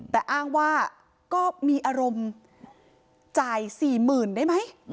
แต่อ้างว่าก็มีอารมณ์จ่าย๔๐๐๐ได้ไหม